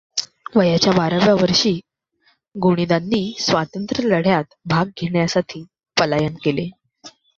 वयाच्या बाराव्या वर्षी गोनीदांनी स्वातंत्र्यलढ्यात भाग घेण्यासाठी पलायन केले.